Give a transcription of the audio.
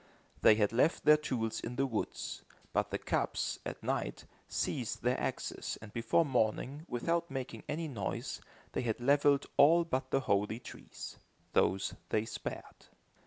They had left their tools in the woods; but the "kabs," at night, seized their axes and before morning, without making any noise, they had levelled all but the holy trees. Those they spared.